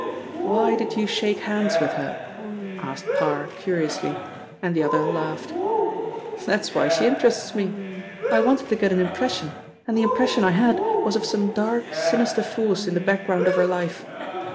"Why did you shake hands with her?" asked Parr curiously, and the other laughed. "That is why she interests me. I wanted to get an impression, and the impression I had was of some dark sinister force in the background of her life.